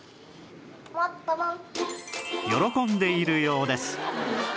喜んでいるようです